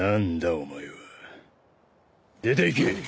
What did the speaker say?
お前は。出ていけ。